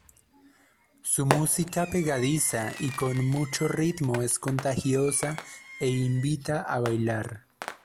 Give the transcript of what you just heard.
Su música pegadiza y con mucho ritmo es contagiosa e invita a bailar.